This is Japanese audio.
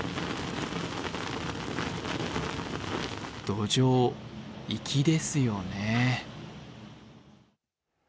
どじょう、粋ですよね。